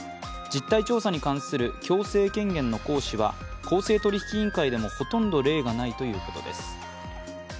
実態調査に関する強制権限の行使は公正取引委員会でもほとんど例がないということです。